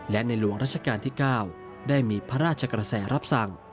และในหลวงรัชการที่๙ได้มีพระราชกษรรพสังศ์